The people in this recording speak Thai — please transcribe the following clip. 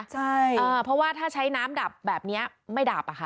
ใช่เพราะว่าถ้าใช้น้ำดับแบบนี้ไม่ดับอะค่ะ